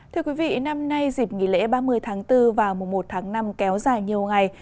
thưa quý vị năm nay dịp nghỉ lễ ba mươi tháng bốn và mùa một tháng năm kéo dài nhiều ngày